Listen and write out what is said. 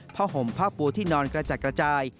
ห่มผ้าปูที่นอนกระจัดกระจาย